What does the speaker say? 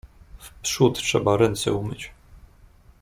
Wprzód trzeba ręce umyć.